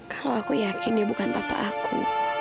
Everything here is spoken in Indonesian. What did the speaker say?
kalau aku yakin dia bukan bapak aku